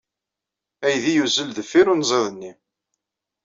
Aydi yuzzel deffir unẓid-nni.